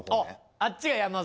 あっちが山添。